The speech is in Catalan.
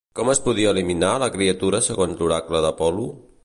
Com es podia eliminar la criatura segons l'oracle d'Apol·lo?